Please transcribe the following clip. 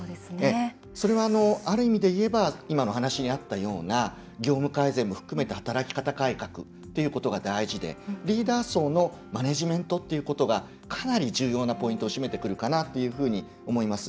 それは、ある意味で言えば今の話にあったような業務改善を含めた働き方改革というのが大事でリーダー層のマネジメントということがかなり重要なポイントを占めてくるかなと思います。